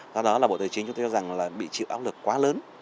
do đó là bộ tài chính chúng tôi cho rằng là bị chịu áp lực quá lớn